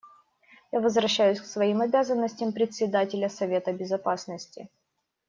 Я возвращаюсь к своим обязанностям Председателя Совета Безопасности.